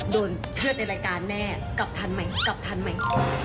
โดนเคลื่อนในรายการแน่กลับทันใหม่กลับทันใหม่